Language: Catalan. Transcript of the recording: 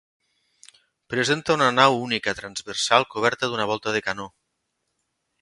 Presenta una nau única transversal coberta d'una volta de canó.